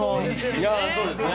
いやぁそうですね。